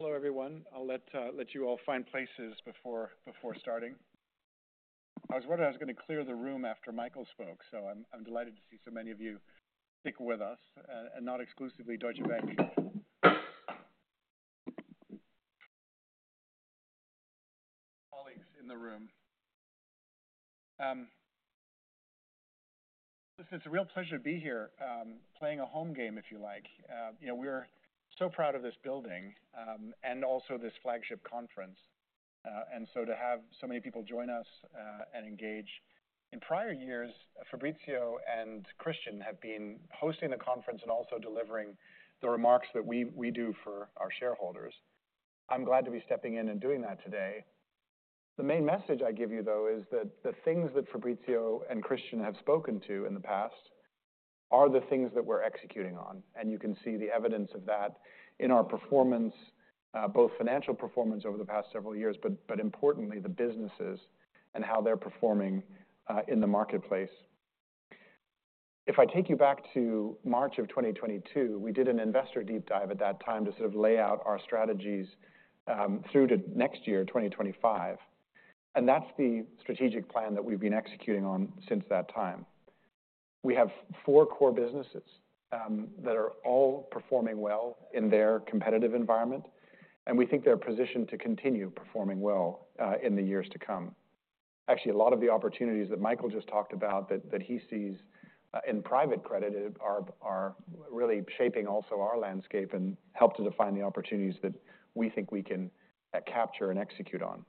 Hello, everyone. I'll let you all find places before starting. I was worried I was going to clear the room after Michael spoke, so I'm delighted to see so many of you stick with us, and not exclusively Deutsche Bank colleagues in the room. Listen, it's a real pleasure to be here, playing a home game, if you like. You know, we're so proud of this building, and also this flagship conference. And so to have so many people join us, and engage. In prior years, Fabrizio and Christian have been hosting the conference and also delivering the remarks that we do for our shareholders. I'm glad to be stepping in and doing that today. The main message I give you, though, is that the things that Fabrizio and Christian have spoken to in the past are the things that we're executing on, and you can see the evidence of that in our performance, both financial performance over the past several years, but importantly, the businesses and how they're performing in the marketplace. If I take you back to March of 2022, we did an investor deep dive at that time to sort of lay out our strategies through to next year, 2025, and that's the strategic plan that we've been executing on since that time. We have four core businesses that are all performing well in their competitive environment, and we think they're positioned to continue performing well in the years to come. Actually, a lot of the opportunities that Michael just talked about that he sees in private credit are really shaping also our landscape and help to define the opportunities that we think we can capture and execute on.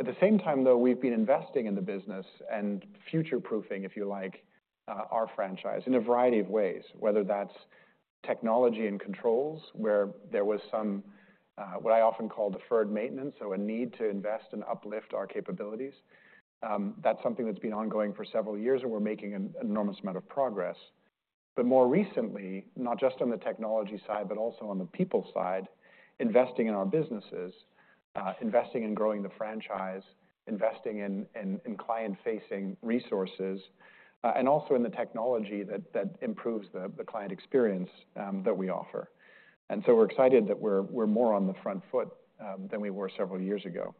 At the same time, though, we've been investing in the business and future-proofing, if you like, our franchise in a variety of ways, whether that's technology and controls, where there was some what I often call deferred maintenance, so a need to invest and uplift our capabilities. That's something that's been ongoing for several years, and we're making an enormous amount of progress. But more recently, not just on the technology side, but also on the people side, investing in our businesses, investing in growing the franchise, investing in client-facing resources, and also in the technology that improves the client experience that we offer. And so we're excited that we're more on the front foot than we were several years ago.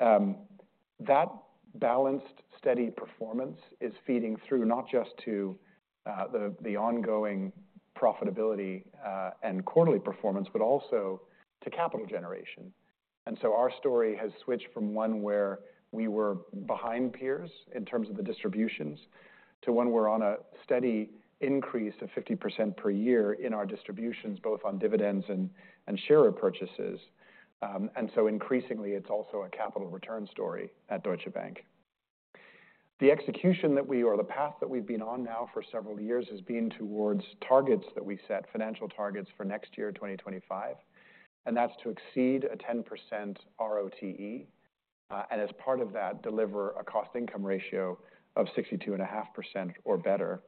That balanced, steady performance is feeding through not just to the ongoing profitability and quarterly performance, but also to capital generation. And so our story has switched from one where we were behind peers in terms of the distributions, to one we're on a steady increase of 50% per year in our distributions, both on dividends and share purchases. And so increasingly, it's also a capital return story at Deutsche Bank. The execution that we, or the path that we've been on now for several years has been towards targets that we set, financial targets for next year, 2025, and that's to exceed a 10% ROTE, and as part of that, deliver a Cost Income Ratio of 62.5% or better.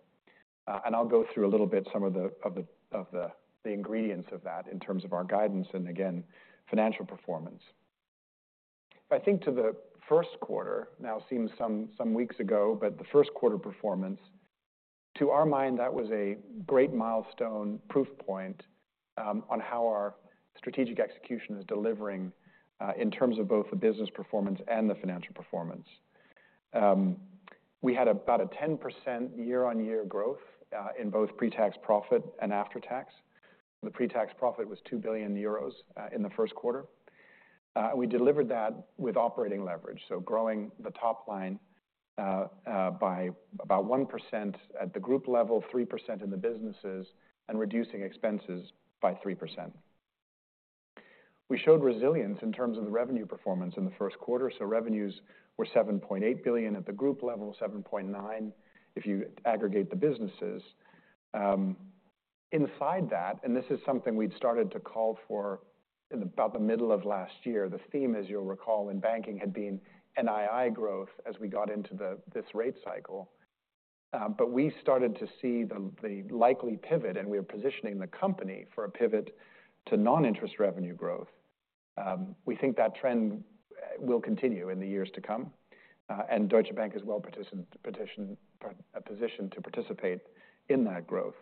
And I'll go through a little bit some of the ingredients of that in terms of our guidance and again, financial performance. I think to the first quarter, now seems some weeks ago, but the first quarter performance, to our mind, that was a great milestone proof point, on how our strategic execution is delivering, in terms of both the business performance and the financial performance. We had about a 10% year-on-year growth, in both pre-tax profit and after tax. The pre-tax profit was 2 billion euros in the first quarter. We delivered that with operating leverage, so growing the top line by about 1% at the group level, 3% in the businesses, and reducing expenses by 3%. We showed resilience in terms of the revenue performance in the first quarter, so revenues were 7.8 billion at the group level, 7.9 if you aggregate the businesses. Inside that, and this is something we'd started to call for in about the middle of last year, the theme, as you'll recall in banking, had been NII growth as we got into this rate cycle. But we started to see the likely pivot, and we are positioning the company for a pivot to non-interest revenue growth. We think that trend will continue in the years to come, and Deutsche Bank is well positioned to participate in that growth.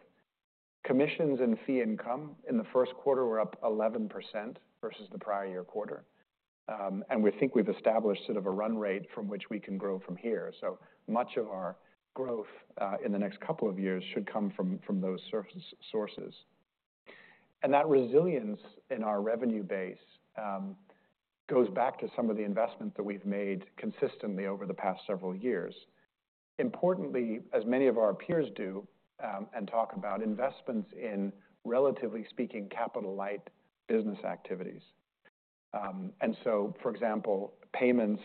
Commissions and fee income in the first quarter were up 11% versus the prior-year quarter. And we think we've established sort of a run rate from which we can grow from here. So much of our growth in the next couple of years should come from those sources. And that resilience in our revenue base goes back to some of the investment that we've made consistently over the past several years. Importantly, as many of our peers do and talk about, investments in, relatively speaking, capital-light business activities. And so, for example, payments,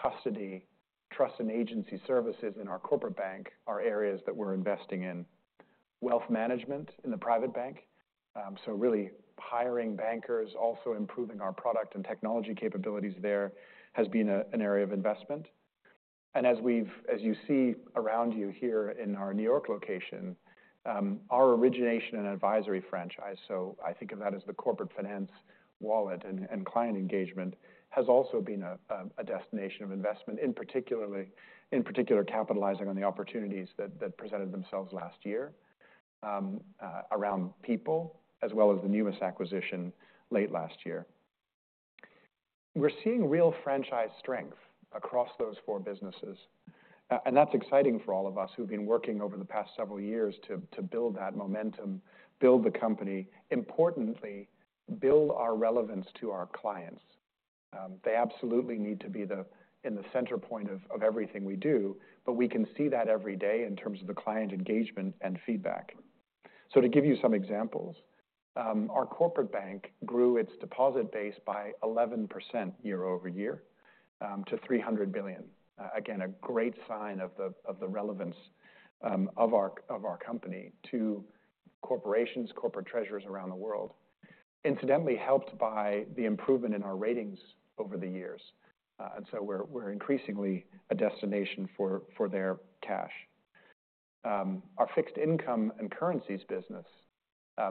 custody, trust and agency services in our corporate bank are areas that we're investing in. Wealth management in the private bank, so really hiring bankers, also improving our product and technology capabilities there has been an area of investment. And as you see around you here in our New York location, our origination and advisory franchise, so I think of that as the corporate finance wallet and client engagement, has also been a destination of investment, in particular, capitalizing on the opportunities that presented themselves last year, around people, as well as the newest acquisition late last year. We're seeing real franchise strength across those four businesses. And that's exciting for all of us who've been working over the past several years to build that momentum, build the company, importantly, build our relevance to our clients. They absolutely need to be in the center point of everything we do, but we can see that every day in terms of the client engagement and feedback. So to give you some examples, our corporate bank grew its deposit base by 11% year-over-year to 300 billion. Again, a great sign of the relevance of our company to corporations, corporate treasurers around the world. Incidentally, helped by the improvement in our ratings over the years. And so we're increasingly a destination for their cash. Our fixed income and currencies business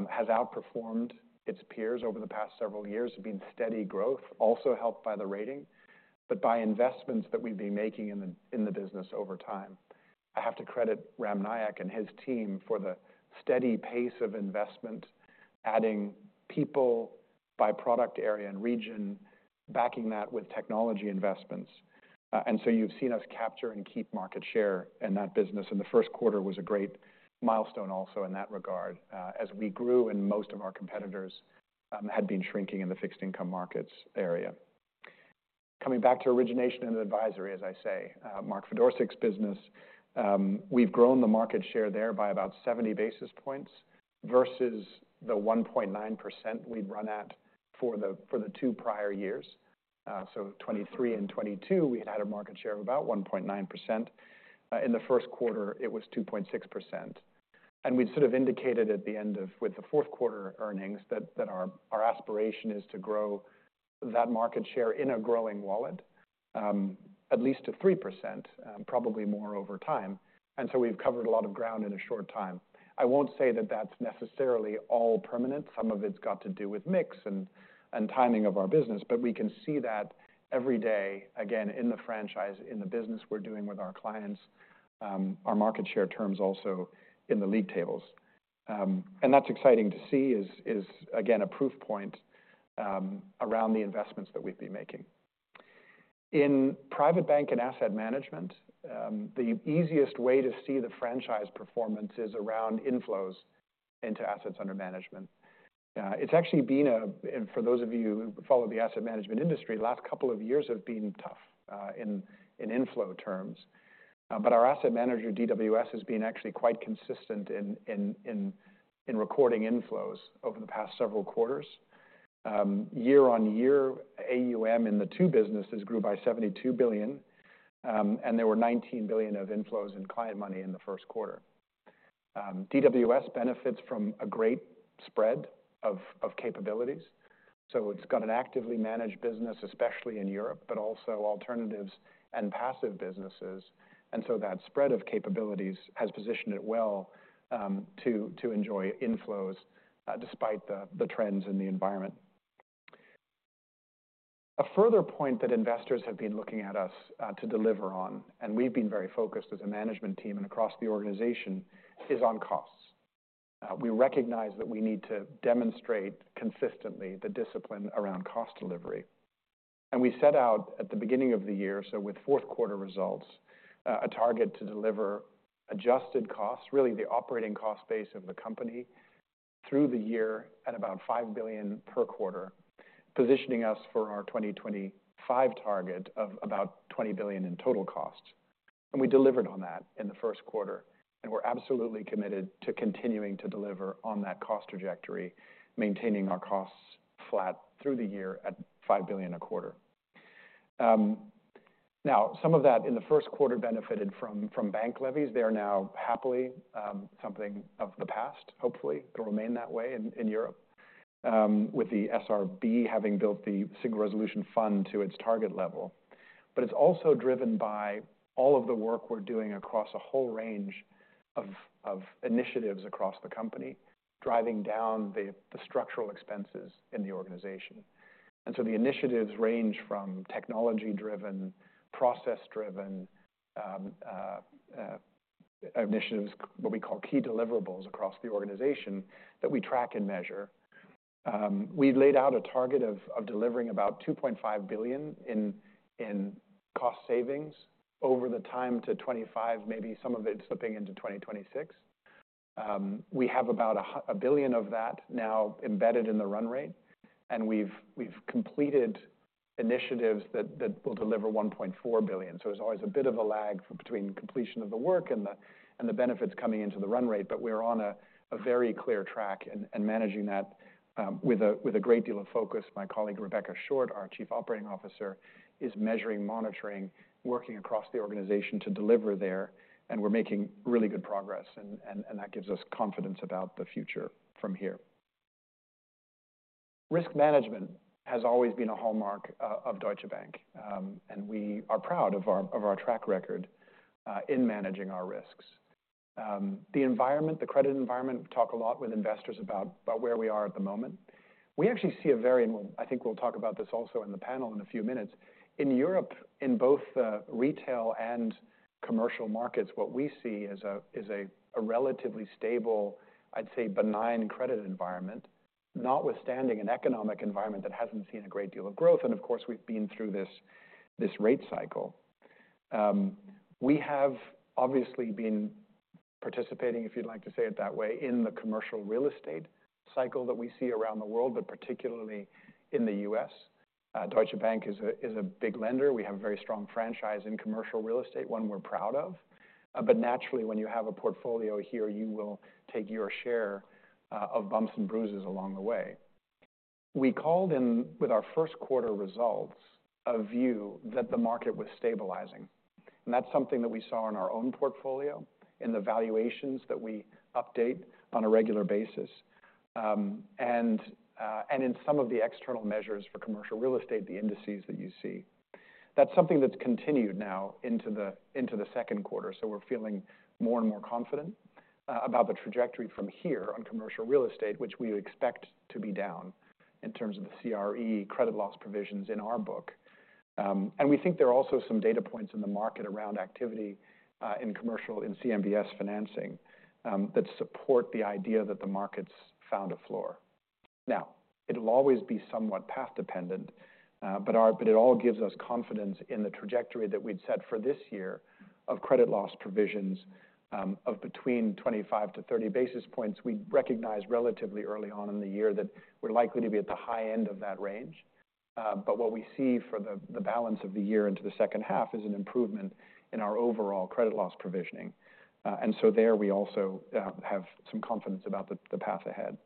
has outperformed its peers over the past several years, have been steady growth, also helped by the rating, but by investments that we've been making in the business over time. I have to credit Ram Nayak and his team for the steady pace of investment, adding people by product area and region, backing that with technology investments. And so you've seen us capture and keep market share in that business, and the first quarter was a great milestone also in that regard, as we grew and most of our competitors had been shrinking in the fixed income markets area. Coming back to origination and advisory, as I say, Mark Fedorcik's business, we've grown the market share there by about 70 basis points versus the 1.9% we'd run at for the two prior years. So 2023 and 2022, we had had a market share of about 1.9%. In the first quarter, it was 2.6%. We'd sort of indicated at the end of with the fourth quarter earnings, that our aspiration is to grow that market share in a growing wallet, at least to 3%, probably more over time. And so we've covered a lot of ground in a short time. I won't say that that's necessarily all permanent. Some of it's got to do with mix and timing of our business, but we can see that every day, again, in the franchise, in the business we're doing with our clients, our market share terms also in the league tables. And that's exciting to see is again a proof point, around the investments that we've been making. In private bank and asset management, the easiest way to see the franchise performance is around inflows into assets under management. It's actually been a... For those of you who follow the asset management industry, last couple of years have been tough in inflow terms. But our asset manager, DWS, has been actually quite consistent in recording inflows over the past several quarters. Year-on-year AUM in the two businesses grew by 72 billion, and there were 19 billion of inflows in client money in the first quarter. DWS benefits from a great spread of capabilities, so it's got an actively managed business, especially in Europe, but also alternatives and passive businesses. And so that spread of capabilities has positioned it well to enjoy inflows despite the trends in the environment. A further point that investors have been looking at us to deliver on, and we've been very focused as a management team and across the organization, is on costs. We recognize that we need to demonstrate consistently the discipline around cost delivery. We set out at the beginning of the year, so with fourth quarter results, a target to deliver adjusted costs, really the operating cost base of the company, through the year at about 5 billion per quarter, positioning us for our 2025 target of about 20 billion in total costs. We delivered on that in the first quarter, and we're absolutely committed to continuing to deliver on that cost trajectory, maintaining our costs flat through the year at 5 billion a quarter. Now, some of that in the first quarter benefited from bank levies. They are now happily something of the past. Hopefully, they'll remain that way in Europe, with the SRB having built the Single Resolution Fund to its target level. But it's also driven by all of the work we're doing across a whole range of initiatives across the company, driving down the structural expenses in the organization. And so the initiatives range from technology-driven, process-driven initiatives, what we call key deliverables, across the organization that we track and measure. We laid out a target of delivering about 2.5 billion in cost savings over the time to 2025, maybe some of it slipping into 2026. We have about 1 billion of that now embedded in the run rate, and we've completed initiatives that will deliver 1.4 billion. So there's always a bit of a lag between completion of the work and the, and the benefits coming into the run rate, but we're on a, a very clear track and, and managing that, with a, with a great deal of focus. My colleague, Rebecca Short, our Chief Operating Officer, is measuring, monitoring, working across the organization to deliver there, and we're making really good progress, and, and, and that gives us confidence about the future from here. Risk management has always been a hallmark of Deutsche Bank, and we are proud of our, of our track record, in managing our risks. The environment, the credit environment, talk a lot with investors about, about where we are at the moment. We actually see a very, and well, I think we'll talk about this also in the panel in a few minutes. In Europe, in both the retail and commercial markets, what we see is a relatively stable, I'd say, benign credit environment, notwithstanding an economic environment that hasn't seen a great deal of growth, and of course, we've been through this rate cycle. We have obviously been participating, if you'd like to say it that way, in the commercial real estate cycle that we see around the world, but particularly in the U.S. Deutsche Bank is a big lender. We have a very strong franchise in commercial real estate, one we're proud of. But naturally, when you have a portfolio here, you will take your share of bumps and bruises along the way. We called in with our first quarter results, a view that the market was stabilizing, and that's something that we saw in our own portfolio, in the valuations that we update on a regular basis, and in some of the external measures for commercial real estate, the indices that you see. That's something that's continued now into the, into the second quarter, so we're feeling more and more confident about the trajectory from here on commercial real estate, which we expect to be down in terms of the CRE credit loss provisions in our book. And we think there are also some data points in the market around activity, in commercial, in CMBS financing, that support the idea that the market's found a floor. Now, it'll always be somewhat path dependent, but it all gives us confidence in the trajectory that we'd set for this year of credit loss provisions of between 25-30 basis points. We recognized relatively early on in the year that we're likely to be at the high end of that range. But what we see for the balance of the year into the second half is an improvement in our overall credit loss provisioning. And so there we also have some confidence about the path ahead.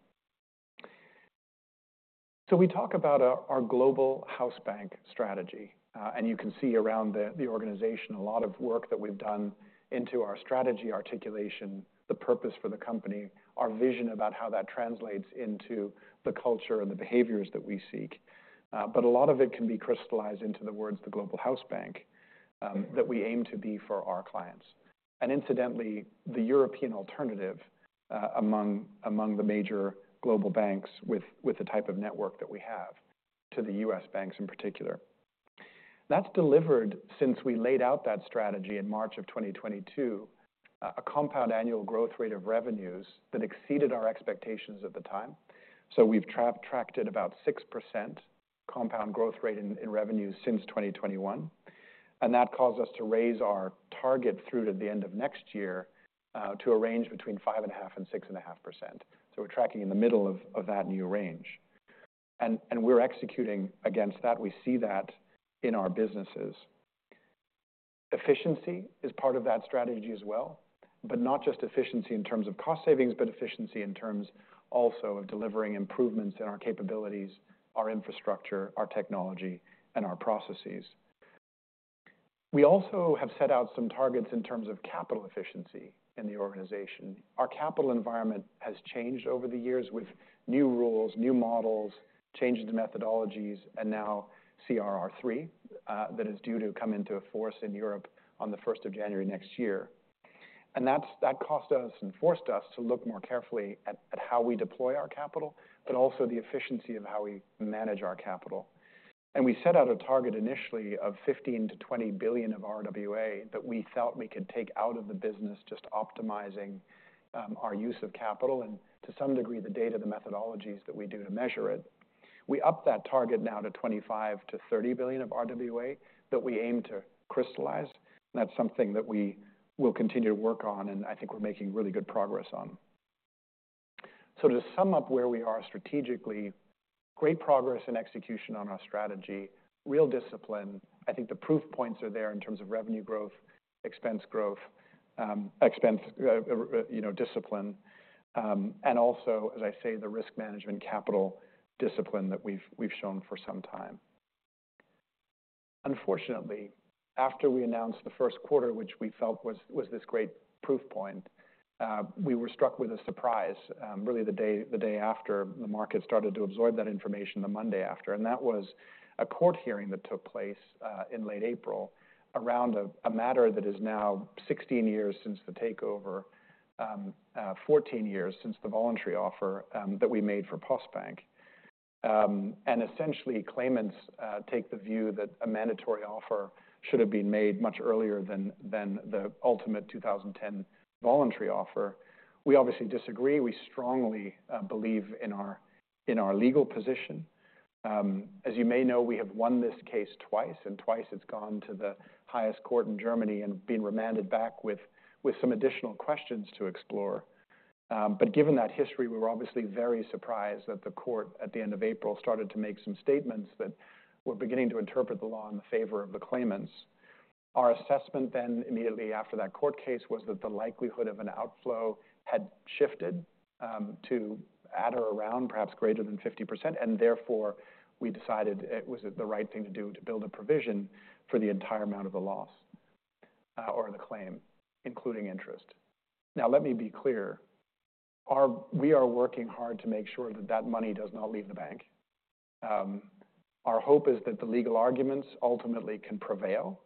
So we talk about our Global Hausbank strategy, and you can see around the organization, a lot of work that we've done into our strategy, articulation, the purpose for the company, our vision about how that translates into the culture and the behaviors that we seek. But a lot of it can be crystallized into the words, the Global Hausbank, that we aim to be for our clients. And incidentally, the European alternative among the major global banks with the type of network that we have to the U.S. banks in particular. That's delivered since we laid out that strategy in March 2022, a compound annual growth rate of revenues that exceeded our expectations at the time. So we've tracked at about 6% compound growth rate in revenues since 2021, and that caused us to raise our target through to the end of next year to a range between 5.5% and 6.5%. So we're tracking in the middle of that new range, and we're executing against that. We see that in our businesses. Efficiency is part of that strategy as well, but not just efficiency in terms of cost savings, but efficiency in terms also of delivering improvements in our capabilities, our infrastructure, our technology, and our processes. We also have set out some targets in terms of capital efficiency in the organization. Our capital environment has changed over the years with new rules, new models, changes to methodologies, and now CRR3, that is due to come into force in Europe on the first of January next year. And that's that cost us and forced us to look more carefully at how we deploy our capital, but also the efficiency of how we manage our capital. We set out a target initially of 15-20 billion of RWA that we felt we could take out of the business, just optimizing, our use of capital, and to some degree, the data, the methodologies that we do to measure it. We upped that target now to 25-30 billion of RWA that we aim to crystallize, and that's something that we will continue to work on, and I think we're making really good progress on. To sum up where we are strategically, great progress and execution on our strategy, real discipline. I think the proof points are there in terms of revenue growth, expense growth, expense, you know, discipline, and also, as I say, the risk management capital discipline that we've shown for some time. Unfortunately, after we announced the first quarter, which we felt was this great proof point, we were struck with a surprise, really the day after the market started to absorb that information, the Monday after, and that was a court hearing that took place in late April around a matter that is now 16 years since the takeover, 14 years since the voluntary offer that we made for Postbank. And essentially, claimants take the view that a mandatory offer should have been made much earlier than the ultimate 2010 voluntary offer. We obviously disagree. We strongly believe in our legal position. As you may know, we have won this case twice, and twice it's gone to the highest court in Germany and been remanded back with, with some additional questions to explore. But given that history, we were obviously very surprised that the court, at the end of April, started to make some statements that were beginning to interpret the law in the favor of the claimants. Our assessment then, immediately after that court case, was that the likelihood of an outflow had shifted to at or around, perhaps greater than 50%, and therefore, we decided it was the right thing to do, to build a provision for the entire amount of the loss or the claim, including interest. Now, let me be clear. Our—we are working hard to make sure that that money does not leave the bank. Our hope is that the legal arguments ultimately can prevail,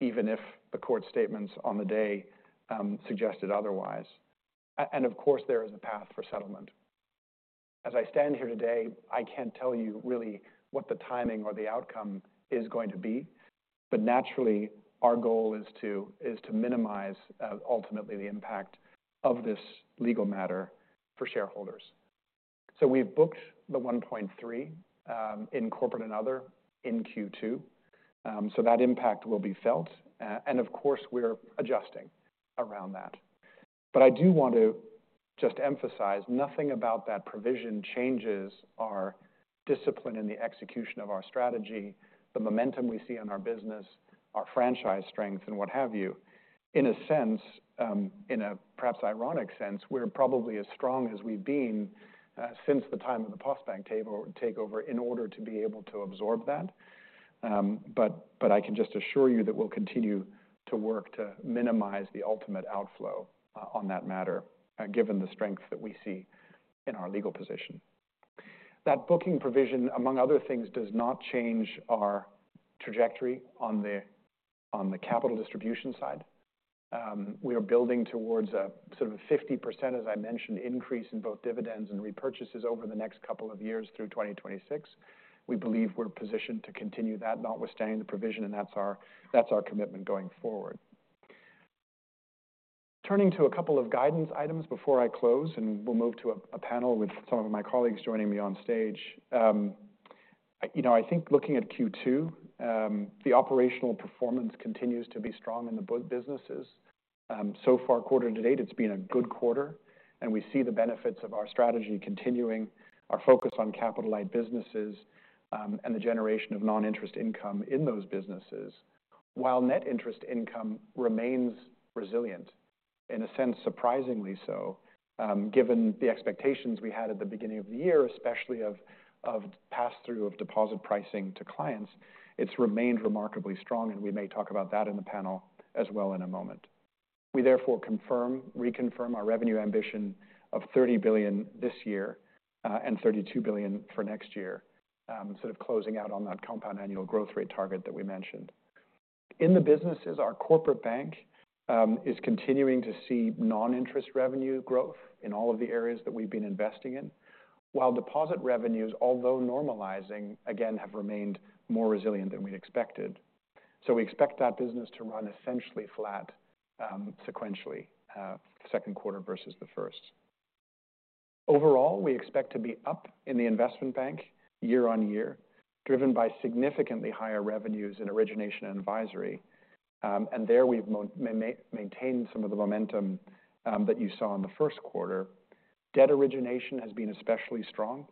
even if the court statements on the day suggested otherwise. And of course, there is a path for settlement. As I stand here today, I can't tell you really what the timing or the outcome is going to be, but naturally, our goal is to minimize ultimately the impact of this legal matter for shareholders. So we've booked the 1.3 billion in Corporate and Other in Q2, so that impact will be felt. And of course, we're adjusting around that. But I do want to just emphasize, nothing about that provision changes our discipline in the execution of our strategy, the momentum we see in our business, our franchise strength, and what have you. In a sense, in a perhaps ironic sense, we're probably as strong as we've been, since the time of the Postbank takeover, in order to be able to absorb that. But I can just assure you that we'll continue to work to minimize the ultimate outflow, on that matter, given the strength that we see in our legal position. That booking provision, among other things, does not change our trajectory on the capital distribution side. We are building towards a sort of 50%, as I mentioned, increase in both dividends and repurchases over the next couple of years through 2026. We believe we're positioned to continue that, notwithstanding the provision, and that's our commitment going forward. Turning to a couple of guidance items before I close, and we'll move to a panel with some of my colleagues joining me on stage. You know, I think looking at Q2, the operational performance continues to be strong in the both businesses. So far, quarter to date, it's been a good quarter, and we see the benefits of our strategy continuing, our focus on capital light businesses, and the generation of non-interest income in those businesses. While net interest income remains resilient, in a sense, surprisingly so, given the expectations we had at the beginning of the year, especially of pass-through of deposit pricing to clients, it's remained remarkably strong, and we may talk about that in the panel as well in a moment. We therefore confirm, reconfirm our revenue ambition of 30 billion this year, and 32 billion for next year, sort of closing out on that compound annual growth rate target that we mentioned. In the businesses, our corporate bank is continuing to see non-interest revenue growth in all of the areas that we've been investing in, while deposit revenues, although normalizing, again, have remained more resilient than we'd expected. So we expect that business to run essentially flat, sequentially, second quarter versus the first. Overall, we expect to be up in the investment bank year-on-year, driven by significantly higher revenues in origination and advisory. And there we've maintained some of the momentum that you saw in the first quarter. Debt origination has been especially strong,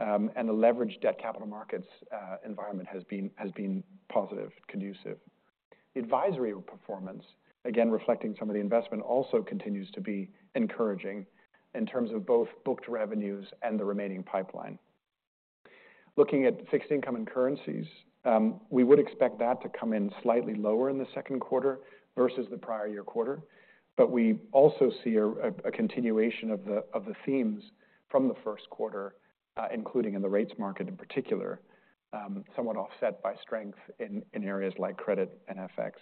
and the leveraged debt capital markets environment has been positive, conducive. Advisory performance, again, reflecting some of the investment, also continues to be encouraging in terms of both booked revenues and the remaining pipeline. Looking at fixed income and currencies, we would expect that to come in slightly lower in the second quarter versus the prior year quarter, but we also see a continuation of the themes from the first quarter, including in the rates market in particular, somewhat offset by strength in areas like credit and FX.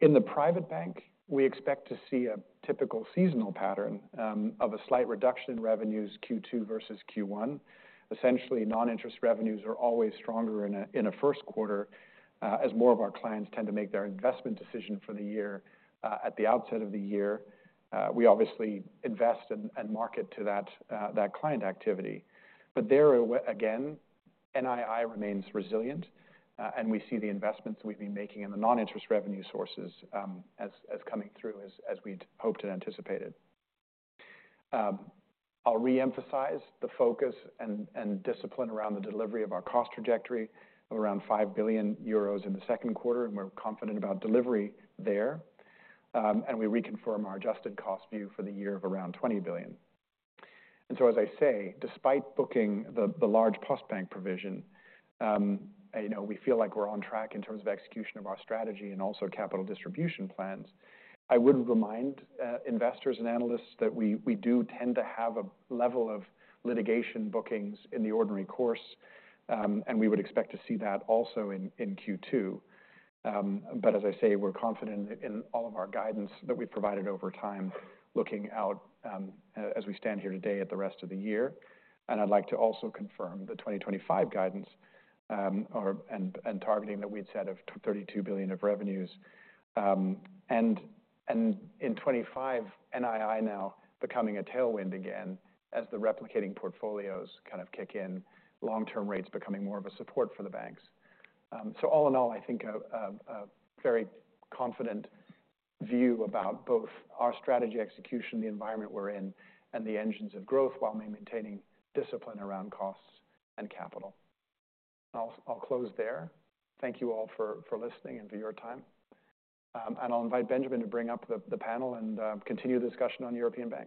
In the private bank, we expect to see a typical seasonal pattern of a slight reduction in revenues Q2 versus Q1. Essentially, non-interest revenues are always stronger in a first quarter, as more of our clients tend to make their investment decision for the year, at the outset of the year. We obviously invest and market to that client activity. But there, again, NII remains resilient, and we see the investments we've been making in the non-interest revenue sources, as coming through as we'd hoped and anticipated. I'll reemphasize the focus and discipline around the delivery of our cost trajectory of around 5 billion euros in the second quarter, and we're confident about delivery there. We reconfirm our adjusted cost view for the year of around 20 billion. So, as I say, despite booking the large Postbank provision, you know, we feel like we're on track in terms of execution of our strategy and also capital distribution plans. I would remind, uh, investors and analysts that we, we do tend to have a level of litigation bookings in the ordinary course, and we would expect to see that also in, in Q2. But as I say, we're confident in all of our guidance that we've provided over time, looking out, as we stand here today at the rest of the year. I'd like to also confirm the 2025 guidance, and, and targeting that we'd said of 32 billion of revenues. And, and in 2025, NII now becoming a tailwind again, as the replicating portfolios kind of kick in, long-term rates becoming more of a support for the banks. So all in all, I think a very confident view about both our strategy execution, the environment we're in, and the engines of growth, while maintaining discipline around costs and capital. I'll close there. Thank you all for listening and for your time. And I'll invite Benjamin to bring up the panel and continue the discussion on European banks.